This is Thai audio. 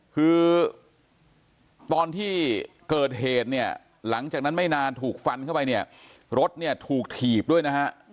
คือตอนที่เกิดเหตุเนี่ยหลังจากนั้นไม่นานถูกฟันเข้าไปเนี่ยรถเนี่ยถูกถีบด้วยนะฮะ